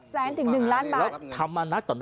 ๖แสนถึง๑ล้านบาท